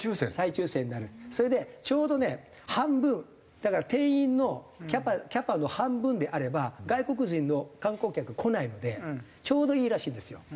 だから定員のキャパの半分であれば外国人の観光客来ないのでちょうどいいらしいんですよ。